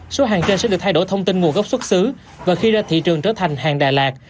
số hàng trên sẽ được thay đổi thông tin nguồn gốc xuất xứ và khi ra thị trường trở thành hàng đà lạt